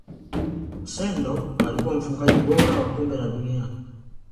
sendor alikuwa mfungaji bora wa kombe la dunia